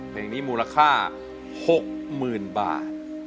เพลงนี้มูลค่า๖๐๐๐๐บาท